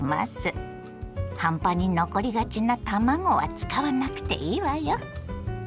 半端に残りがちな卵は使わなくていいわよ。